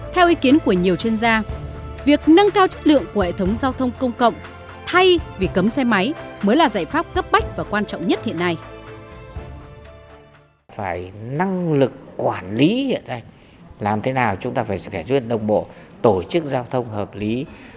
theo ý kiến của nhiều chuyên gia việc nâng cao chất lượng của hệ thống giao thông công cộng thay vì cấm xe máy mới là giải pháp cấp bách và quan trọng nhất hiện nay